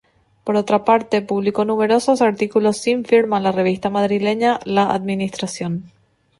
Por otra parte, publicó numerosos artículos sin firma en la revista madrileña La Administración.